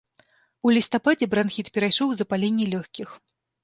У лістападзе бранхіт перайшоў у запаленне лёгкіх.